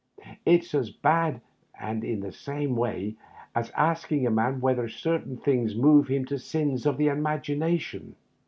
It's as bad, and in the same way, as asking a man whether certain things move him to sins of the imagination.